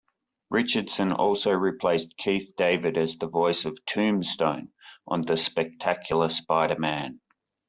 Richardson also replaced Keith David as the voice of Tombstone on "The Spectacular Spider-Man".